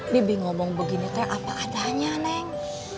bibi ngomong begini teh apa adanya neng